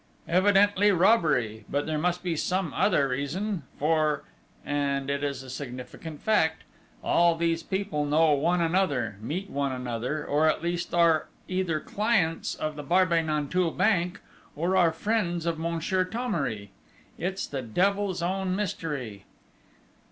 Evidently robbery! But there must be some other reason, for and it is a significant fact all these people know one another, meet one another, or at least are either clients of the Barbey Nanteuil bank, or are friends of Monsieur Thomery.... It's the devil's own mystery!"